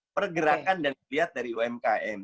pergerakan dan dilihat dari umkm